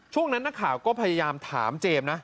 ช่วงนั้นนักข่าวก็พยายามถามเจมส์นะ